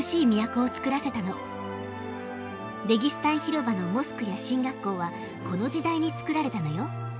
レギスタン広場のモスクや神学校はこの時代に造られたのよ。